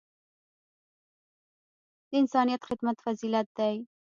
د انسانیت خدمت فضیلت دی.